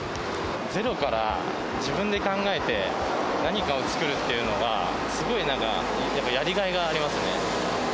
ゼロから自分で考えて、何かを作るっていうのは、すごいなんか、やりがいがありますね。